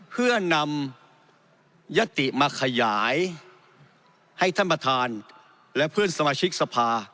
เพื่อนำยติมาขยายให้ท่านประธานและเพื่อนสมาชิกสภา